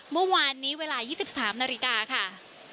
เมื่อวานนี้เวลา๒๓นาฬิกาค่ะ